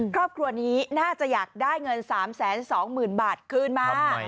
ครอบครัวนี้น่าจะอยากได้เงิน๓๒๐๐๐บาทคืนมา